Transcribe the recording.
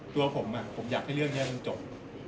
ตัวผมผมอยากให้เรื่องนี้มันจบ